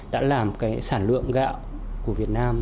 đã làm sản lượng gạo của việt nam